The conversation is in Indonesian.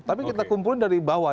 tapi kita kumpulin dari bawah